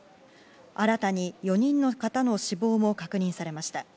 新たに４人の方の死亡も確認されました。